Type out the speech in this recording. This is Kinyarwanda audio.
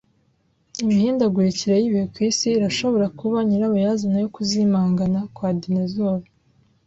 Imihindagurikire y’ibihe ku isi irashobora kuba nyirabayazana yo kuzimangana kwa dinosaur